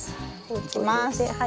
いきます。